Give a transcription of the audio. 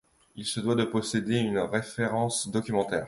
Il se doit de posséder une référence documentaire.